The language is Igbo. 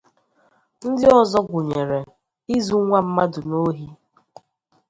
Ndị ọzọ gụnyere: izu nwa mmadụ n’ohi